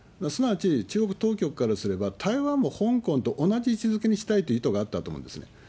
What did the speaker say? すなわち中国当局からすれば、台湾も香港と同じ位置づけにしたいという意図があったと思うんですね。